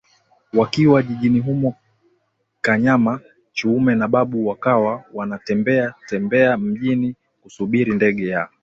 Wakiwa jijini humo Kanyama Chiume na Babu wakawa wanatembea tembea mjini kusubiri ndege ya